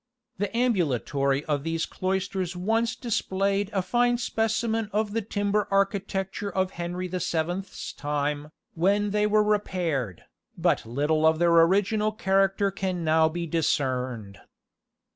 The ambulatory of these cloisters once displayed a fine specimen of the timber architecture of Henry the Seventh's time, when they were repaired, but little of their original character can now be discerned.